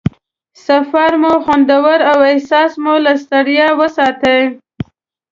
سفر مو خوندور او احساس مو له ستړیا وساتي.